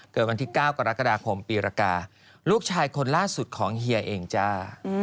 เกิดวันที่๙กรกฎาคมปีรกาลูกชายคนล่าสุดของเฮียเองจ้า